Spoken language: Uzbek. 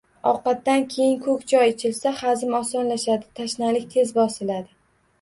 Ovqatdan keyin ko‘k choy ichilsa, hazm osonlashadi, tashnalik tez bosiladi.